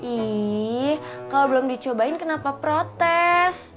ih kalau belum dicobain kenapa protes